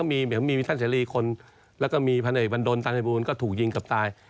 มีท่านเสรีคนแล้วก็มีพันเอกบันดลตันภัยบูรณก็ถูกยิงกับตาย